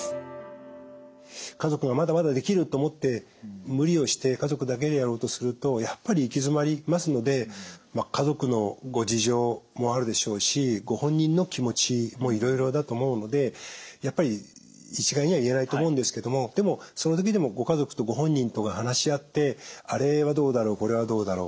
家族がまだまだできると思って無理をして家族だけでやろうとするとやっぱり行き詰まりますので家族のご事情もあるでしょうしご本人の気持ちもいろいろだと思うのでやっぱり一概には言えないと思うんですけどもでもその時でもご家族とご本人とが話し合ってあれはどうだろうこれはどうだろう